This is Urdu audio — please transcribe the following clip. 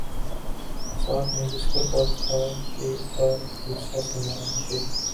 ساتھ میں بسکٹ اور کھا پ کا دوسرا سامان تھے